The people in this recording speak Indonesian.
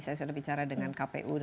saya sudah bicara dengan kpu